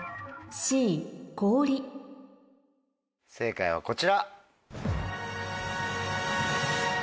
正解はこちら。